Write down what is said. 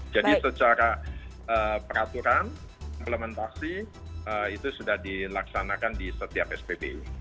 jadi secara peraturan implementasi itu sudah dilaksanakan di setiap spbu